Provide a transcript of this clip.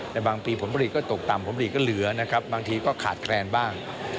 ในบางปีผลผลิตก็ตกต่ำผลผลิตก็เหลือบางทีก็ขาดแกรนบ้าง